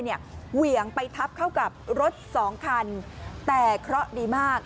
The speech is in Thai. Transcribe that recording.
เหวี่ยงไปทับเข้ากับรถสองคันแต่เคราะห์ดีมาก